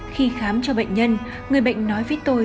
khi khám cho bệnh nhân người bệnh nói với tôi